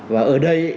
và ở đây